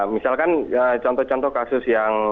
misalkan contoh contoh kasus yang